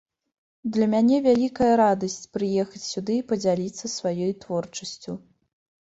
Для мяне вялікая радасць прыехаць сюды і падзяліцца сваёй творчасцю.